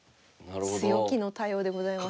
強気の対応でございます。